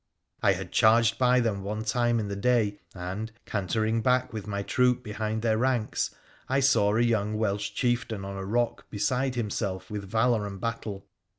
I had charged by them one time in the day, and, cantering back with my troop behind their ranks, I saw a young Welsh chieftain on a rock beside himself with valour and battle.